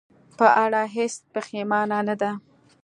په اړه هېڅ پښېمانه نه ده.